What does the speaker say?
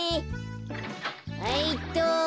はいっと。